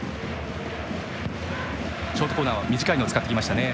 ショートコーナーは短いのを使ってきましたね。